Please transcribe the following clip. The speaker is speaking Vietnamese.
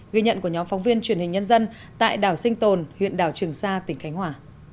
ghi nhận của nhóm phóng viên truyền hình nhân dân tại đảo sinh tồn huyện đảo trường sa tỉnh khánh hòa